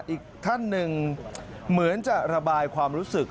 อีกท่านหนึ่งเหมือนจะระบายความรู้สึก